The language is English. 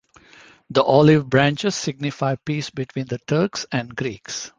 The olive branches signify peace between the Turks and Greeks.